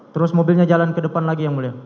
terus mobilnya jalan ke depan lagi yang mulia